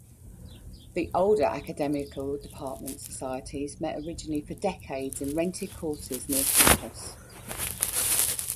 The older Academical Department societies met originally for decades in rented quarters near campus.